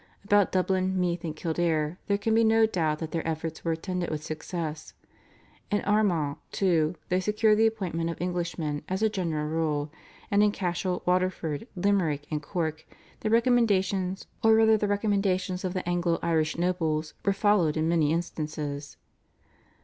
About Dublin, Meath, and Kildare there can be no doubt that their efforts were attended with success. In Armagh, too, they secured the appointment of Englishmen as a general rule, and in Cashel, Waterford, Limerick, and Cork their recommendations, or rather the recommendations of the Anglo Irish nobles, were followed in many instances.